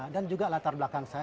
dan juga latar belakang saya